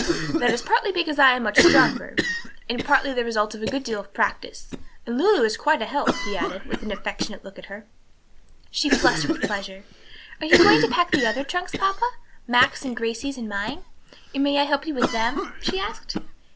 "That is partly because I am much stronger, and partly the result of a good deal of practice. And Lulu is quite a help," he added, with an affectionate look at her. She flushed with pleasure. "Are you going to pack the other trunks, papa? Max's and Grade's and mine? And may I help you with them?" she asked.